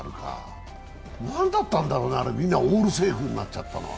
何だったんだろうね、あれみんなオールセーブになっちゃったのは。